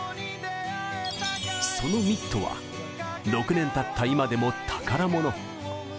そのミットは６年たった今でも宝物。